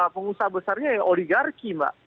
pengusaha besarnya ya oligarki mbak